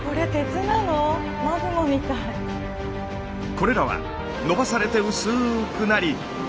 これらはのばされて薄くなり。